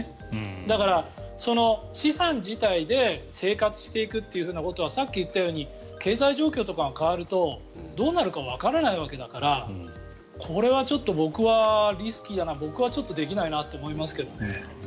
だから、資産自体で生活していくということはさっき言ったように経済状況とかが変わるとどうなるかわからないわけだからこれは僕は、リスキーだな僕はちょっとできないなと思いますけどね。